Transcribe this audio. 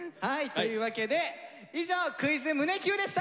というわけで以上「クイズ胸Ｑ」でした！